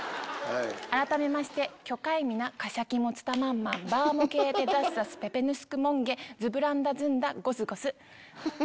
改めましてキョカイミナカシャキモツタマンマンバモケイデザスザスペペヌスクモンゲズブランダズンダゴスゴス。